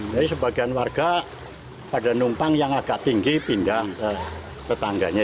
jadi sebagian warga pada numpang yang agak tinggi pindah ke tetangganya